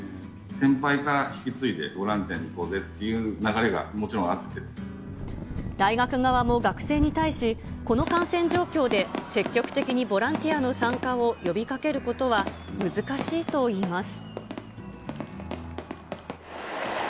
先輩から引き継いでボランティアに行こうぜっていう流れがもちろ大学側も学生に対し、この感染状況で積極的にボランティアの参加を呼びかけることは難しいといいます。